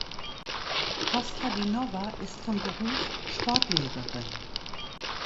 Kostadinowa ist von Beruf Sportlehrerin.